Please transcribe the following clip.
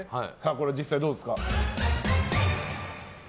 実際どうですか？